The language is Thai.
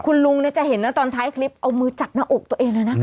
คุณลุงจะเห็นนะตอนท้ายคลิปเอามือจับหน้าอกตัวเองเลยนะ